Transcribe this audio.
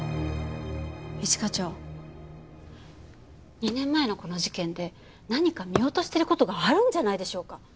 一課長２年前のこの事件で何か見落としてる事があるんじゃないでしょうか。